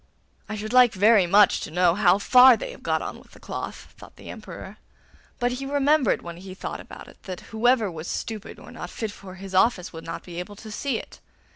'I should like very much to know how far they have got on with the cloth,' thought the Emperor. But he remembered when he thought about it that whoever was stupid or not fit for his office would not be able to see it.